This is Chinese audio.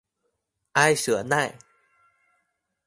埃舍奈。